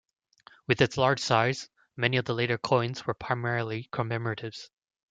With its large size, many of the later coins were primarily commemoratives.